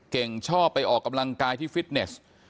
ชอบไปออกกำลังกายที่ฟิตเนส